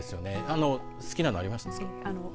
好きなのありました。